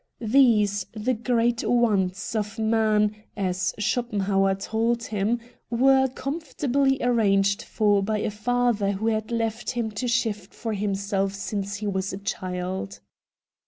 These, the great wants of man — as Schopenhauer told him — were comfortably arranged for by a father who had left him to shift foi himself since he was a child.